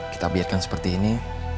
kita biarkan seperti ini